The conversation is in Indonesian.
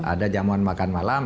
ada jamuan makan malam